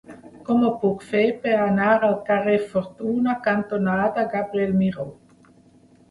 Com ho puc fer per anar al carrer Fortuna cantonada Gabriel Miró?